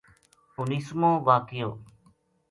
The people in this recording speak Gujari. اُنیسمو واقعو